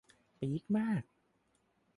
ปี๊ดมาก